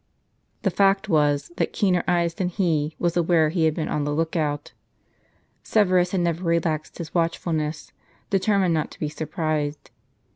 The fact was, that keener eyes than he was aware of had been on the look out. Severus had never relaxed his watch fulness, determined not to be surprised.